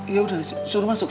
ya udah suruh masuk